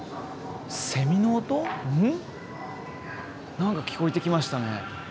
何か聞こえてきましたね。